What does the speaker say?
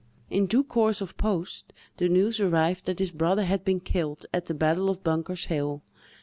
In due course of post, the news arrived that this brother had been killed at the battle of Bunker's hill.